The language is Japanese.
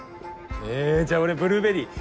えじゃあ俺ブルーベリー。